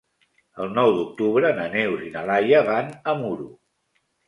El nou d'octubre na Neus i na Laia van a Muro.